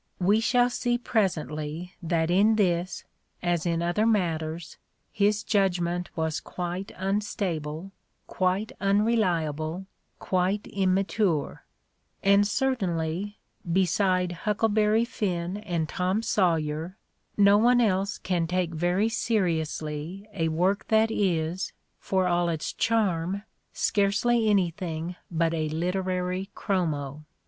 We shall see presently that in this, as in other matters, his judgment was quite unstable, quite unreliable, quite immature; and cer tainly, beside "Huckleberry Finn" and "Tom Sawyer," no one else can take very seriously a work that is, for all its charm, scarcely anything but a literary chromo.